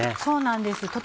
そうなんです